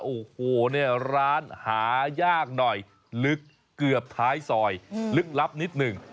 โอ้โหเนี่ยร้านหายากหน่อยลึกเกือบท้ายซอยลึกลับนิดหนึ่ง